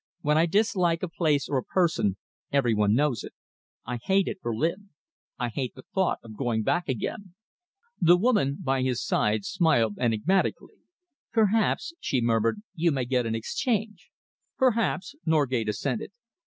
"When I dislike a place or a person, every one knows it. I hated Berlin. I hate the thought of going back again." The woman by his side smiled enigmatically. "Perhaps," she murmured, "you may get an exchange." "Perhaps," Norgate assented.